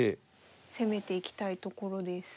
攻めていきたいところです。